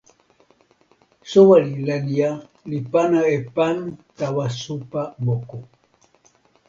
soweli Lenja li pana e pan tawa supa moku.